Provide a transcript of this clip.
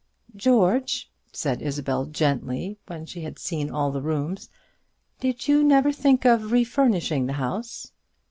"George," said Isabel, gently, when she had seen all the rooms, "did you never think of re furnishing the house?"